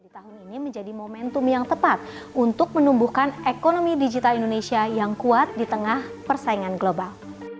di tahun ini menjadi momentum yang tepat untuk menumbuhkan ekonomi digital indonesia yang kuat di tengah persaingan global